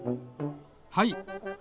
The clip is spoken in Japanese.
はい。